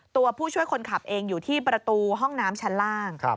ตัวผู้ช่วยคนขับเองอยู่ที่ประตูห้องน้ำชั้นล่าง